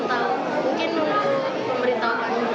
belum tahu mungkin menunggu pemerintah